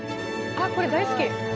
あっこれ大好き。